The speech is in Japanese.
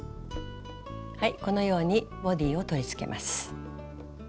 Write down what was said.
このようにボディーを取りつけます。